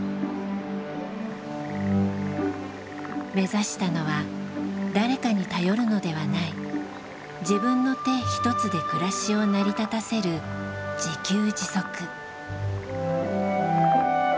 目指したのは誰かに頼るのではない自分の手ひとつで暮らしを成り立たせる自給自足。